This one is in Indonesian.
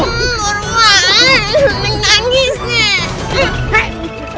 neng tangis nek